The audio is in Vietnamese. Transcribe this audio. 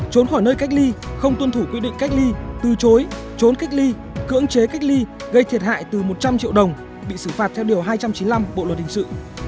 trốn khỏi nơi cách ly không tuân thủ quy định cách ly từ chối trốn cách ly cưỡng chế cách ly gây thiệt hại từ một trăm linh triệu đồng bị xử phạt theo điều hai trăm chín mươi năm bộ luật hình sự